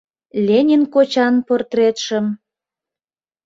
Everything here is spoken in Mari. Ленин кочан портретшым...